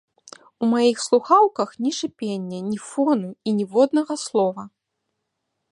У маіх слухаўках ні шыпення, ні фону і ніводнага слова!